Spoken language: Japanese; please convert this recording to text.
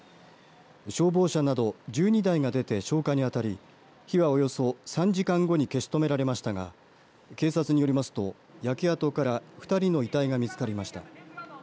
消防車など１２台が出て消火にあたり火は、およそ３時間後に消し止められましたが警察によりますと焼け跡から２人の遺体が見つかりました。